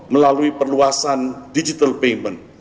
melalui perluasan digital payment